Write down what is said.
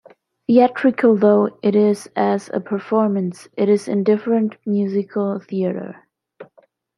Theatrical though it is as a performance, it is indifferent musical theater.